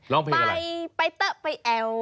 ร้องเพลงอะไร